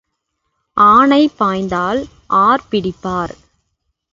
ஆனை பாய்ந்தால் ஆர் பிடிப்பார்?